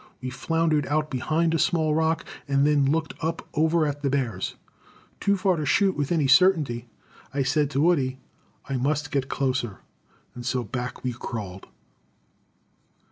We floundered out behind a small rock, and then looked up over at the bears. Too far to shoot with any certainty, and I said to Woody, "I must get closer." And so back we crawled.